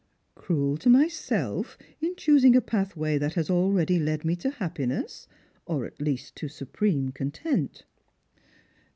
" Cruel to myself in choosing a pathway that has already led me to happiness, or at least to supreme content